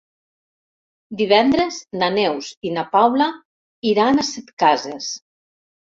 Divendres na Neus i na Paula iran a Setcases.